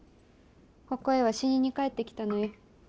ここへは死にに帰ってきたのよ。